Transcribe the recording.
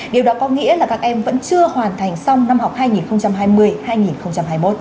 điều đó có nghĩa là các em vẫn chưa hoàn thành xong năm học hai nghìn hai mươi hai nghìn hai mươi một